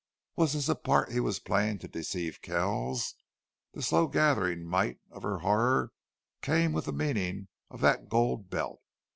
Was this a part he was playing to deceive Kells? The slow gathering might of her horror came with the meaning of that gold belt.